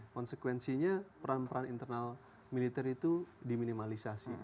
konsekuensinya peran peran internal militer itu diminimalisasi